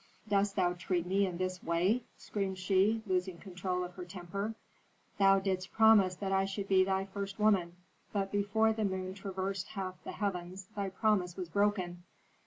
"Dost thou treat me in this way?" screamed she, losing control of her temper. "Thou didst promise that I should be thy first woman, but before the moon traversed half the heavens thy promise was broken.